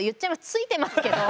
ついてますけど。